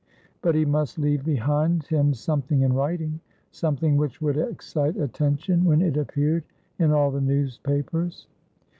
But he must leave behind him something in writing, something which would excite attention when it appeared in all the newspapers.